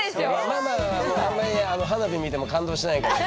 ママはあんまり花火見ても感動しないからね